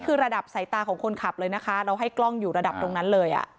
คือระดับสายตาของคนขับเลยนะคะเราให้กล้องอยู่ระดับตรงนั้นเลยอ่ะ